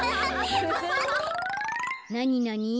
なになに？